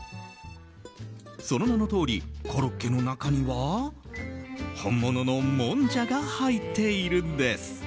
その名のとおりコロッケの中には本物のもんじゃが入っているんです。